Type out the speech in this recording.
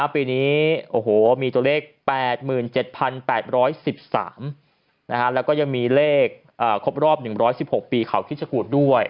ปีนี้โอ้โหมีตัวเลข๘๗๘๑๓แล้วก็ยังมีเลขครบรอบ๑๑๖ปีเขาคิดชะกูดด้วย